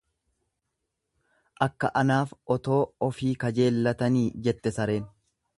Akka anaaf otoo ofii kajeellatanii jette sareen.